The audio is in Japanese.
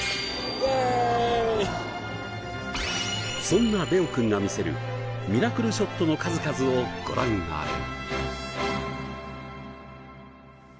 そんなレオくんが見せるミラクルショットの数々をご覧あれ。